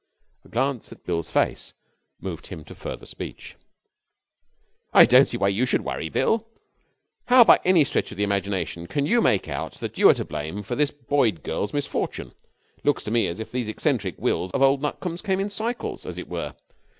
A glance at Bill's face moved him to further speech. 'I don't see why you should worry, Bill. How, by any stretch of the imagination, can you make out that you are to blame for this Boyd girl's misfortune? It looks to me as if these eccentric wills of old Nutcombe's came in cycles, as it were.